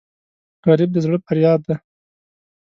غریب د زړه فریاد دی